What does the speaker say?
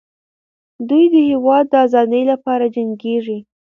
دوی د هېواد د ازادۍ لپاره جنګېږي.